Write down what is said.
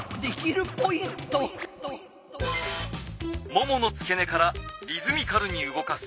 もものつけ根からリズミカルに動かす。